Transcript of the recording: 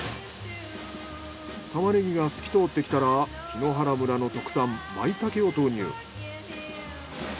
タマネギが透き通ってきたら檜原村の特産マイタケを投入。